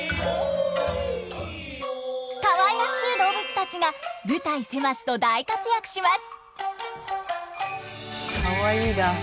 可愛らしい動物たちが舞台狭しと大活躍します！